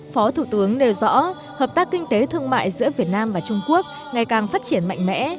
phó thủ tướng nêu rõ hợp tác kinh tế thương mại giữa việt nam và trung quốc ngày càng phát triển mạnh mẽ